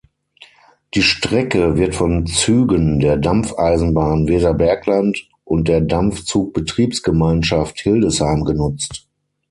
Die Strecke wird von Zügen der Dampfeisenbahn Weserbergland und der Dampfzug-Betriebsgemeinschaft Hildesheim genutzt.